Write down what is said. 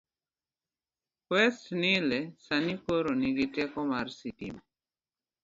West Nile sani koro nigi teko mar sitima.